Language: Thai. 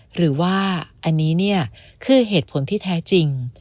หรือว่าอันนี้เนี่ยคือเหตุผลที่แท้จริง